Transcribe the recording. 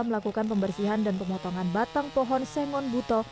melakukan pembersihan dan pemotongan batang pohon sengon buto